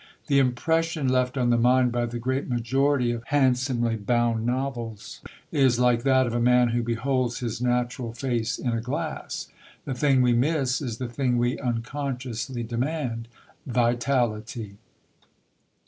The impression left on the mind by the great majority of handsomely bound novels is like that of a man who beholds his natural face in a glass. The thing we miss is the thing we unconsciously demand Vitality.